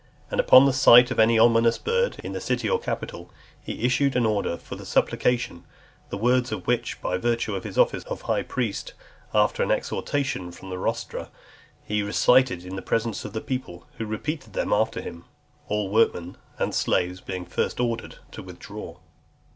And upon the sight of any ominous bird in the City or Capitol, he issued an order for a supplication, the words of which, by virtue of his office of high priest, after an exhortation from the rostra, he recited in the presence of the people, who repeated them after him; all workmen and slaves being first ordered to withdraw.